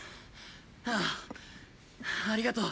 ああありがとう。